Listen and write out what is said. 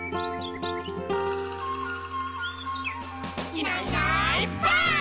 「いないいないばあっ！」